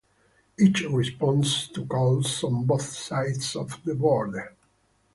Each responds to calls on both sides of the border.